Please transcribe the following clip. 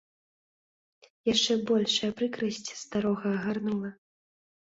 Яшчэ большая прыкрасць старога агарнула.